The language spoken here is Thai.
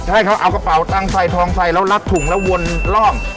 ให้เขาเอากระเป๋าตั้งใส่ทองใส่แล้วรัดถุงแล้ววนรอบ